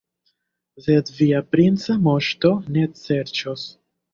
Sed via princa moŝto ne serĉos.